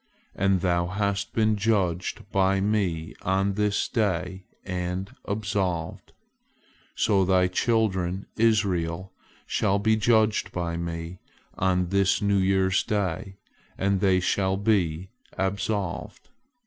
As thou hast been judged by Me on this day and absolved, so thy children Israel shall be judged by Me on this New Year's Day, and they shall be absolved."